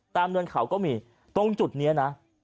เนินเขาก็มีตรงจุดนี้นะ